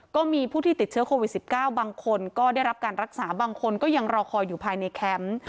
ก็มีผู้ที่ติดเชื้อโควิด๑๙บางคนก็ได้รับการรักษาบางคนก็ยังรอคอยอยู่ภายในแคมป์